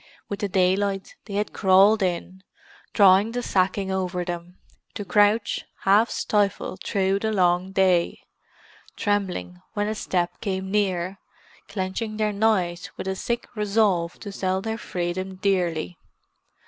With the daylight they had crawled in, drawing the sacking over them, to crouch, half stifled through the long day, trembling when a step came near, clenching their knives with a sick resolve to sell their freedom dearly.